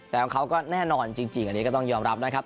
แต่ของเขาก็แน่นอนจริงอันนี้ก็ต้องยอมรับนะครับ